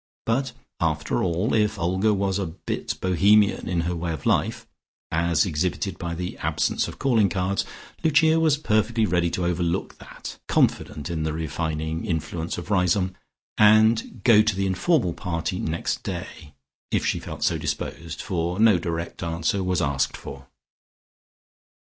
But, after all, if Olga was a bit Bohemian in her way of life, as exhibited by the absence of calling cards, Lucia was perfectly ready to overlook that (confident in the refining influence of Riseholme), and to go to the informal party next day, if she felt so disposed, for no direct answer was asked for.